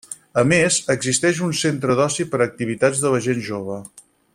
A més, existeix un Centre d'oci per a activitats de la gent jove.